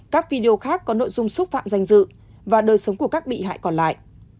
các video khác có nội dung xúc phạm danh dự và đời sống của các bị hại còn lại